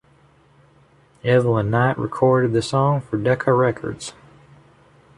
Evelyn Knight recorded the song for Decca Records.